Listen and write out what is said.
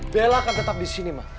bella akan tetap di sini mas